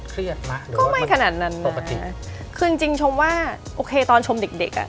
เครียดมั้ยหรือว่าปกติคือจริงชมว่าโอเคตอนชมเด็กอะ